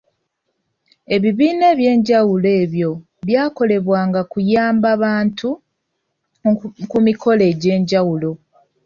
Ebibiina eby'enjawulo ebyo byakolebwanga kuyamba abantu ku mikolo egy’enjawulo.